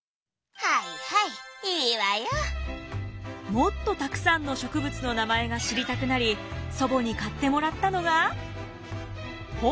もっとたくさんの植物の名前が知りたくなり祖母に買ってもらったのが。